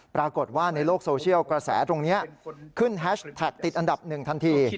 ปรากฏว่าในโลกโซเชียลกระแสตรงนี้ขึ้นแฮชแท็กติดอันดับหนึ่งทันที